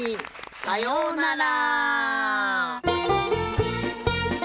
さようなら！